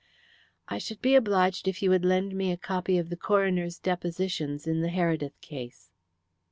"I should be obliged if you would lend me a copy of the coroner's depositions in the Heredith case."